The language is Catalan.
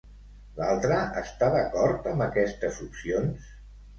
L'altre està d'acord amb aquestes opcions?